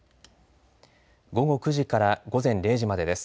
午後９時から午前０時までです。